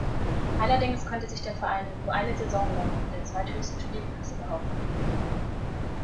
Allerdings konnte sich der Verein nur eine Saison lang in der zweithöchsten Spielklasse behaupten.